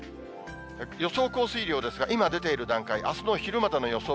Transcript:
予想降水量ですが、今出ている段階、あすの昼までの予想